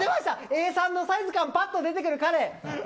Ａ３のサイズ感ぱっと出てくる彼。